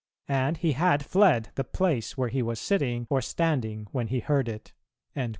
and he had fled the place where he was sitting or standing when he heard it."